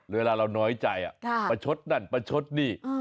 เวลาเราน้อยใจประชดนั่นประชดนี่